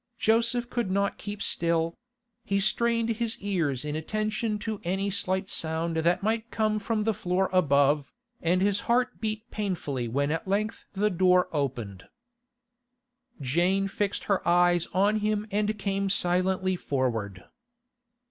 Joseph could not keep still; he strained his ears in attention to any slight sound that might come from the floor above, and his heart beat painfully when at length the door opened. Jane fixed her eyes on him and came silently forward.